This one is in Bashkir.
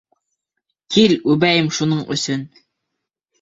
Кил, үбәйем шуның өсөн!